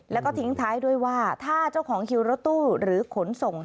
แล้วก็ทิ้งท้ายด้วยว่าถ้าเจ้าของคิวรถตู้หรือขนส่ง